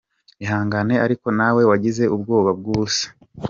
Ihangane ariko nawe wagize ubwoba bw'ubusa.